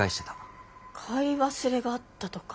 買い忘れがあったとか？